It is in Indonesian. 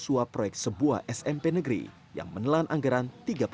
suap proyek sebuah smp negeri yang menelan anggaran tiga puluh lima miliar rupiah